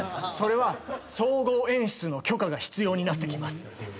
「それは総合演出の許可が必要になってきます」